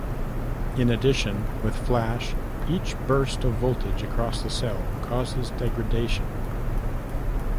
In addition, with Flash, each burst of voltage across the cell causes degradation.